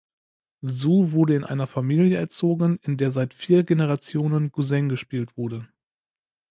Zou wurde in einer Familie erzogen, in der seit vier Generationen Guzheng gespielt wurde.